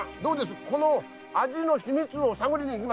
この味の秘密を探りに行きませんか？